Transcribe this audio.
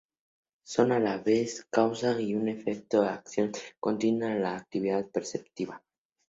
Son, a la vez, causa y efecto de una acción continua: la actividad perceptiva.